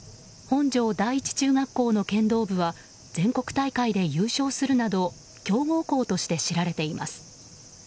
本庄第一中学校の剣道部は全国大会で優勝するなど強豪校として知られています。